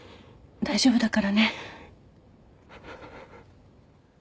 大丈夫だから。